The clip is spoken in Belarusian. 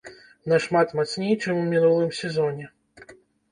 Нашмат мацней, чым у мінулым сезоне.